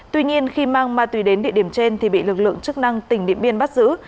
tuy nhiên khi mang ma túy đến địa điểm trên thì bị lực lượng chức năng tỉnh điện biên bắt giữ